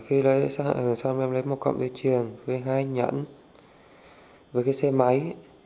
khi lấy xác hại hường xong em lấy một cọng dây chiền với hai nhẫn với cái xe máy